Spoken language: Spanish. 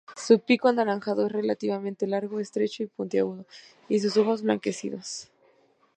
Su pico anaranjado es relativamente largo, estrecho y puntiagudo; y sus ojos blanquecinos.